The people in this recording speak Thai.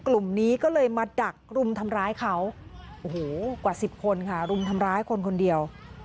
กลุ่มนี้ก็เลยมาดักรุมทำร้ายเขาโอ้โหกว่า๑๐คนค่ะรุมทำร้ายคนคนเดียว